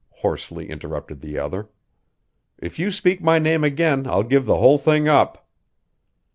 hoarsely interrupted the other. "If you speak my name again I'll give the whole thing up."